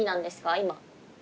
今。